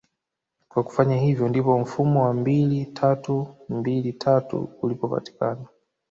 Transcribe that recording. kwa kufanya hivyo ndipo mfumo wa mbili tatu mbili tatu ulipopatikana